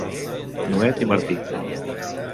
Nuet i Martí.